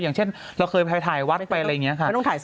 อย่างเช่นเราเคยถ่ายวัดไปอะไรอย่างนี้ค่ะ